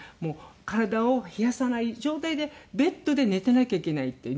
体を冷やさない状態でベッドで寝てなきゃいけないっていう。